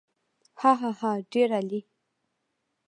هاهاها ډېر عالي.